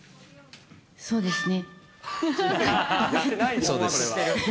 そうですね。